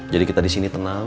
jadi kita disini tenang